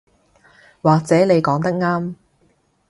或者你講得啱